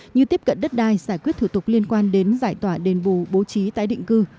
như tiếp cận đất đai giải quyết thủ tục liên quan đến giải tỏa đền bù bố trí tái định cư